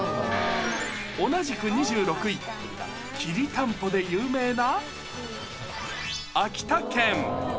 同じく２６位、きりたんぽで有名な秋田県。